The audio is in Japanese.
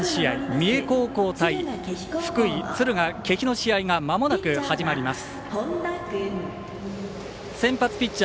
三重高校対福井・敦賀気比の試合がまもなく始まります。